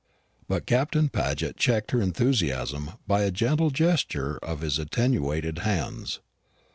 But Captain Paget checked her enthusiasm by a gentle gesture of his attenuated hands.